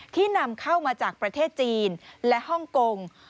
นำเข้ามาจากประเทศจีนและฮ่องกง